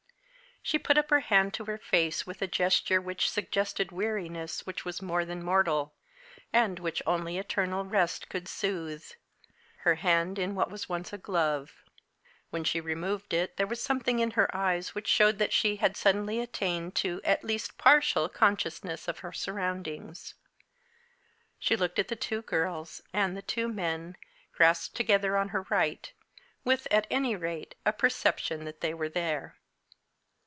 She put her hand up to her face with a gesture which suggested weariness which was more than mortal, and which only eternal rest could soothe her hand in what was once a glove. When she removed it there was something in her eyes which showed that she had suddenly attained to at least a partial consciousness of her surroundings. She looked at the two girls and the two men grasped together on her right, with, at any rate, a perception that they were there.